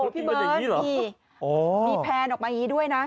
พี่เบิร์ตมีแพลนออกมาอย่างนี้ด้วยนะ